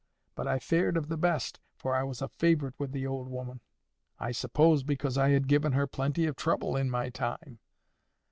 But I fared of the best, for I was a favourite with the old woman—I suppose because I had given her plenty of trouble in my time.